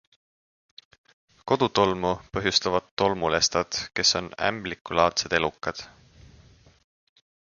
Kodutolmu põhjustavad tolmulestad, kes on ämblikulaadsed elukad.